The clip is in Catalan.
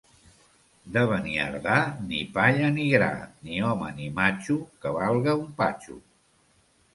De Beniardà, ni palla ni gra, ni home ni matxo que valga un patxo.